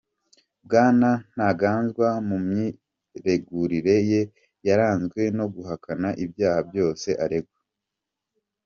Bwana Ntaganzwa mu myiregurire ye yaranzwe no guhakana ibyaha byose aregwa.